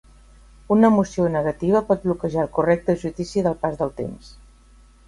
Una emoció negativa pot bloquejar el correcte judici del pas del temps.